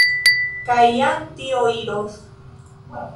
Kaj jam tio iros.